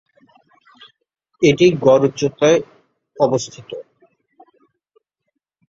এটি গড় উচ্চতায় অবস্থিত।